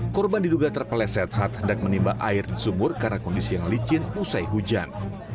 korban diduga terpeleset saat hendak menimba air di sumur karena kondisi yang licin usai hujan